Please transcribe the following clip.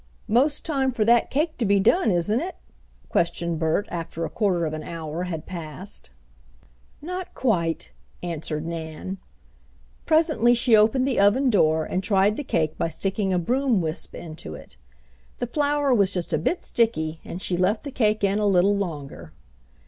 "'Most time for that cake to be done, isn't it?" questioned Bert, after a quarter of an hour had passed. "Not quite," answered Nan. Presently she opened the oven door and tried the cake by sticking a broom whisp into it. The flour was just a bit sticky and she left the cake in a little longer.